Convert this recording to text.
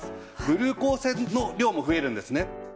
ブルー光線の量も増えるんですね。